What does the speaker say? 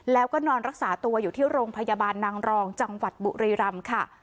แล้วก็นอนรักษาตัวอยู่ที่โรงพยาบาลนางรองจังหวัดบุรีรำค่ะ